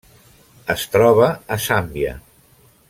Es troba a Zàmbia.